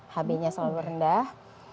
hb nya selalu rendah